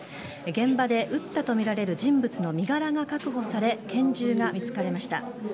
現場で撃ったとみられる人物の身柄が確保され、拳銃が見つかりました。